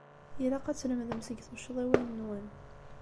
Ilaq ad tlemdem seg tuccḍiwin-nwen.